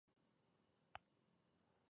ژوند په جانان وي جانان جانان وي